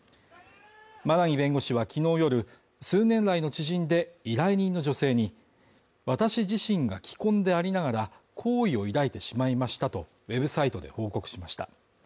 馬奈木弁護士はきのう夜、数年来の知人で、依頼人の女性に私自身が既婚でありながら、好意を抱いてしまいましたとウェブサイトで報告しました。